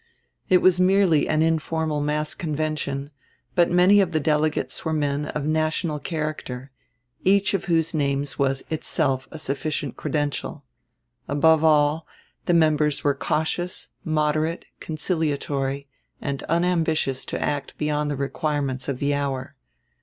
It was merely an informal mass convention; but many of the delegates were men of national character, each of whose names was itself a sufficient credential. Above all, the members were cautious, moderate, conciliatory, and unambitious to act beyond the requirements of the hour.